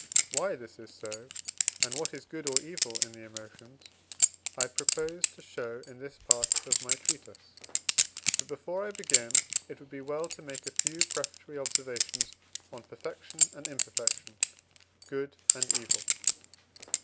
Why this is so, and what is good or evil in the emotions, I propose to show in this part of my treatise. But, before I begin, it would be well to make a few prefatory observations on perfection and imperfection, good and evil.